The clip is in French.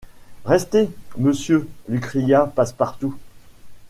Restez, monsieur, lui cria Passepartout.